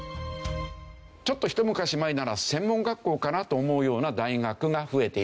ちょっとひと昔前なら専門学校かなと思うような大学が増えているんですね。